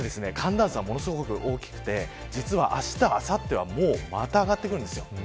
ただ寒暖差がものすごく大きくて実は、あした、あさってはもう、また上がってくるんです。